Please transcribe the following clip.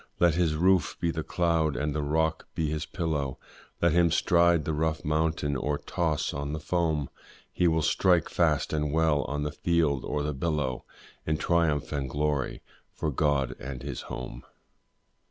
Let his roof be the cloud and the rock be his pillow, Let him stride the rough mountain, or toss on the foam, He will strike fast and well on the field or the billow, In triumph and glory, for God and his home!